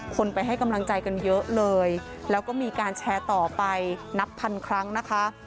คนไปให้กำลังใจกันเยอะเลยแล้วก็มีการแชร์ต่อไปนับพันครั้งนะคะ